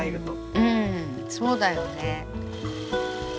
うんそうだよね。